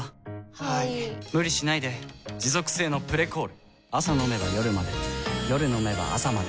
はい・・・無理しないで持続性の「プレコール」朝飲めば夜まで夜飲めば朝まで